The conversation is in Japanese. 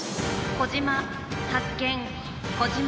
小島発見。